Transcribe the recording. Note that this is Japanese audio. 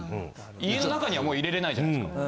家の中にはもう入れれないじゃないですか？